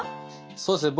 そうですね